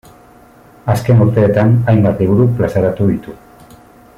Azken urteetan hainbat liburu plazaratu ditu.